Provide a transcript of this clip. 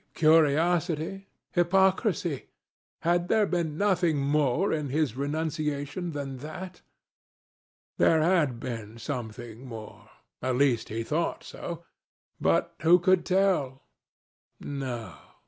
Curiosity? Hypocrisy? Had there been nothing more in his renunciation than that? There had been something more. At least he thought so. But who could tell? ... No.